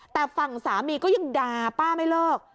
แต่ฝั่งสามีก็ยังด่าป้าไม่เลิก